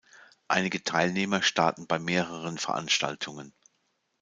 Einige Teilnehmer starten bei mehreren Veranstaltungen.